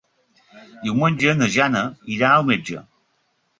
Diumenge na Jana irà al metge.